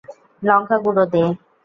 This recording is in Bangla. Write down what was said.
লঙ্কা গুঁড়ো দে।